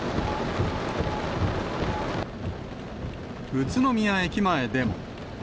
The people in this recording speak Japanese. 宇都宮駅前でも。